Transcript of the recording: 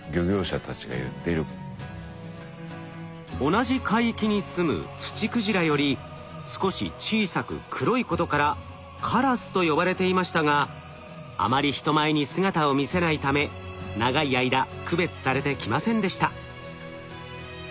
同じ海域に住むツチクジラより少し小さく黒いことからカラスと呼ばれていましたがあまり人前に姿を見せないため長い間区別されてきませんでした。